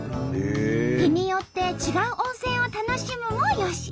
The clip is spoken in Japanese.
日によって違う温泉を楽しむもよし。